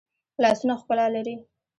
لاسونه ښکلا لري